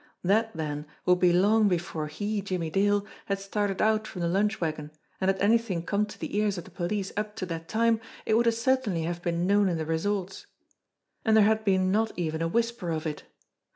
That, then, would be long before he, Jimmie Dale, had started out from the lunch wagon, and had anything come to the ears of the police up to that time, it would as certainly have been known in the resorts. And there had been not even a whisper of it.